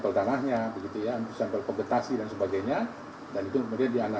pak jaksa agung sudah menyampaikan